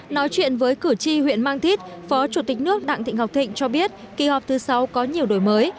nói chuyện với cử tri huyện mang thít phó chủ tịch nước đặng thị ngọc thịnh cho biết kỳ họp thứ sáu có nhiều đổi mới